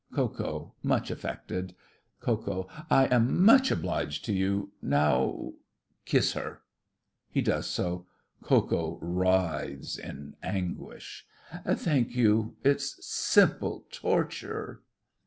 Ko Ko much affected.) KO. I am much obliged to you. Now—kiss her! (He does so. Ko Ko writhes with anguish.) Thank you—it's simple torture!